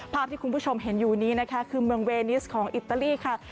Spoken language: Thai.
ภาพที่คุณผู้ชมเห็นอยู่นี้นะคะคือเมืองเวนิสของอิตาลีค่ะ